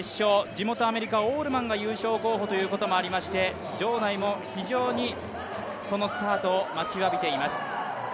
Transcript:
地元アメリカオールマンが優勝候補ということもありまして場内も非常にそのスタートを待ちわびています。